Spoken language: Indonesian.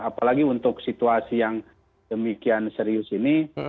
apalagi untuk situasi yang demikian serius ini